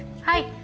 はい。